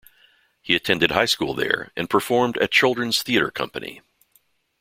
He attended high school there and performed at Children's Theatre Company.